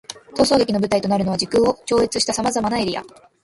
逃走劇の舞台となるのは、時空を超越した様々なエリア。